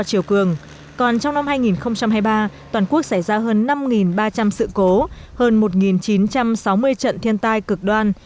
trong chiều cường còn trong năm hai nghìn hai mươi ba toàn quốc xảy ra hơn năm ba trăm linh sự cố hơn một chín trăm sáu mươi trận thiên tai cực đoan